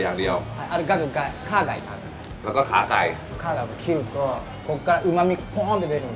อันนี้ใช้กระดูกไก่กระดูกไก่อย่างเดียวแล้วก็ขาไก่